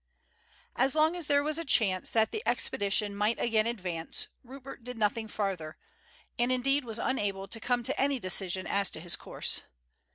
As long as there was a chance that the expedition might again advance Rupert did nothing farther, and indeed was unable to come to any decision as to his course.